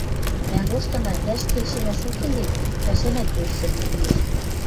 Мӓ лоштына вӓш келшӹмӓш уке гӹнь, пӓшӓнӓ тӧрсӹр лиэш.